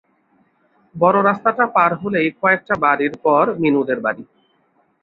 বড় রাস্তাটা পার হলেই কয়েকটা বাড়ির পর মিনুদের বাড়ি।